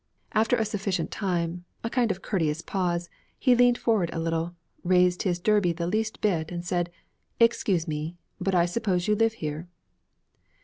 After a sufficient time, a kind of courteous pause, he leaned forward a little, raised his derby the least bit, and said, 'Excuse me, but I suppose you live here?'